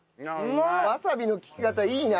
わさびの利き方いいな！